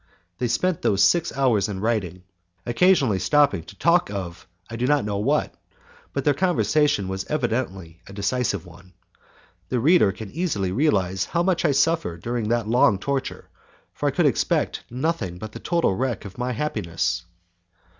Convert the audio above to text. They spent those six hours in writing, occasionally stopping to talk of I do not know what, but their conversation was evidently a decisive one. The reader can easily realize how much I suffered during that long torture, for I could expect nothing but the total wreck of my happiness.